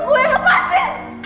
gak routingin disini